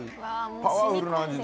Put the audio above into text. パワフルな味で。